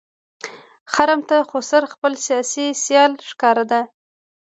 خرم ته خسرو خپل سیاسي سیال ښکارېده.